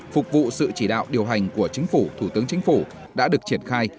phục vụ sự chỉ đạo điều hành của chính phủ thủ tướng chính phủ đã được triển khai